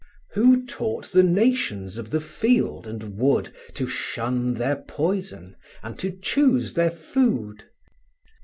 Who taught the nations of the field and wood To shun their poison, and to choose their food?